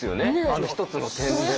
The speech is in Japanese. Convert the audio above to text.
あの１つの点で。